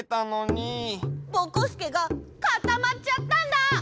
ぼこすけがかたまっちゃったんだ！